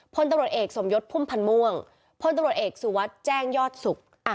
พตเอกสมยศพุ่มพันม่วงพตเอกสุวัตรแจ้งยอดศุกร์